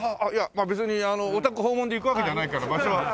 まあ別にお宅訪問で行くわけじゃないから場所は。